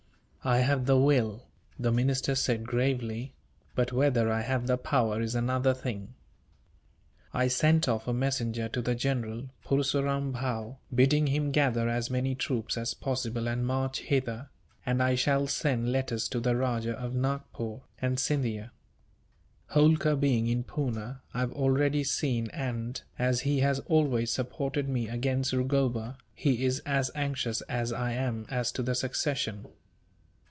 "I have the will," the minister said, gravely, "but whether I have the power is another thing. I sent off a messenger to the general, Purseram Bhow, bidding him gather as many troops as possible and march hither; and I shall send letters to the Rajah of Nagpore, and Scindia. Holkar, being in Poona, I have already seen and, as he has always supported me against Rugoba, he is as anxious as I am as to the succession.